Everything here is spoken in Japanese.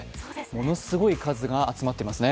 ものすごい数が集まっていますね。